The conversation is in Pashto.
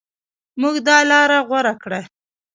موږ دا لاره غوره کړه.